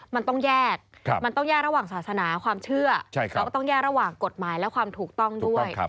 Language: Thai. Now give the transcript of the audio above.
มันต้องแยกมันต้องแยกระหว่างศาสนาความเชื่อแล้วก็ต้องแย่ระหว่างกฎหมายและความถูกต้องด้วย